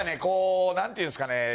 こう何て言うんすかね